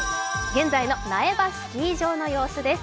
現在の苗場スキー場の様子です。